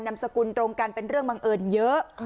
สกุลตรงกันเป็นเรื่องบังเอิญเยอะ